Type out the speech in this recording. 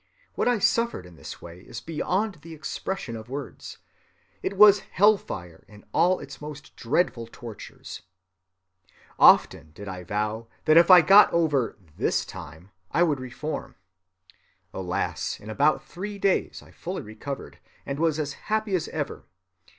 What I suffered in this way is beyond the expression of words. It was hell‐fire in all its most dreadful tortures. Often did I vow that if I got over 'this time' I would reform. Alas, in about three days I fully recovered, and was as happy as ever.